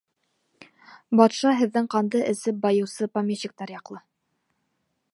Батша һеҙҙең ҡанды эсеп байыусы помещиктар яҡлы.